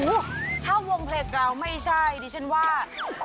อูววเธอวงเพกราวไม่ใช่ดิฉันว่า